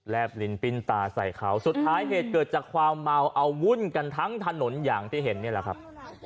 บลิ้นปิ้นตาใส่เขาสุดท้ายเหตุเกิดจากความเมาเอาวุ่นกันทั้งถนนอย่างที่เห็นนี่แหละครับ